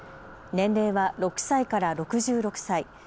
年齢は６歳から６６歳。